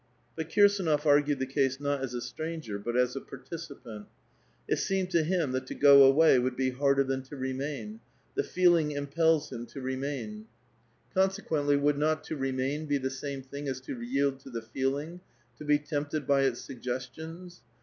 But Kirsdnof argued tbe case not as a stranger but as a participant. It seemed to bim that to go away would be harder than to remain ; the feeling impels him to remain ; 226 A VITAL QUESTION. consequently would not to remain be the same thing as to yield to Ihe feeling, to be tempted by its suggestions?